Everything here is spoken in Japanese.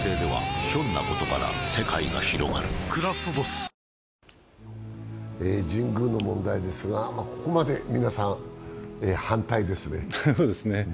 「クラフトボス」神宮の問題ですがここまで皆さん、反対ですね。